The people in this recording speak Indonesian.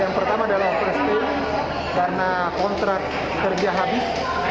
yang pertama adalah peres keinginan karena kontrak kerja habis